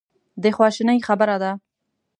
د خواشینۍ خبره ده.